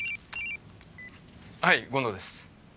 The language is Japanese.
はい権藤です。